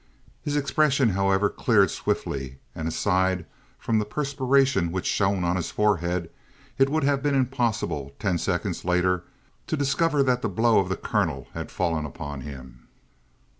His expression, however, cleared swiftly, and aside from the perspiration which shone on his forehead it would have been impossible ten seconds later to discover that the blow of the colonel had fallen upon him.